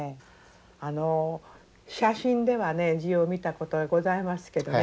あの写真ではね字を見たことがございますけどね